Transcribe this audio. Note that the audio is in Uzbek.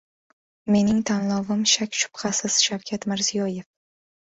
Mening tanlovim, shak-shubhasiz, Shavkat Mirziyoyev.